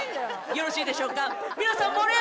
よろしいでしょうか。